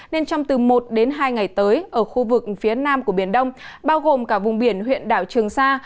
nên trong từ một đến hai ngày tới ở khu vực phía nam của biển đông bao gồm cả vùng biển huyện đảo trường sa